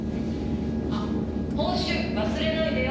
あっ報酬忘れないでよ。